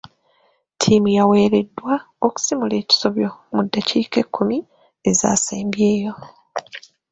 Ttiimu y'awereddwa okusimula ekisobyo mu ddakiika ekkumi ezaasembyeyo.